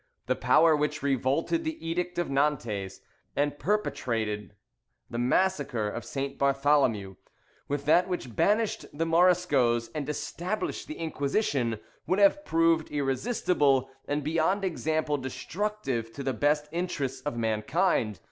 the power which revolted the edict of Nantes, and perpetrated the massacre of St. Bartholomew, with that which banished the Moriscoes, and established the Inquisition, would have proved irresistible, and beyond example destructive to the best interests of mankind.